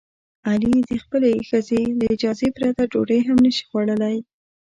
علي د خپلې ښځې له اجازې پرته ډوډۍ هم نشي خوړلی.